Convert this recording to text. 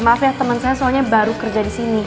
maaf ya teman saya soalnya baru kerja di sini